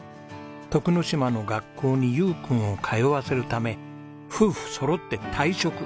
徳之島の学校に悠君を通わせるため夫婦そろって退職。